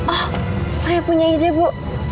oh kayak punya ide bu